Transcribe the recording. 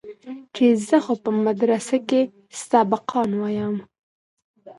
چې زه خو په مدرسه کښې سبقان وايم.